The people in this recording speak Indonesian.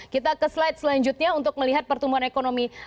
kita ke slide selanjutnya untuk melihat pertumbuhan ekonomi